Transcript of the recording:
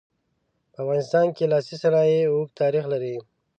په افغانستان کې لاسي صنایع اوږد تاریخ لري.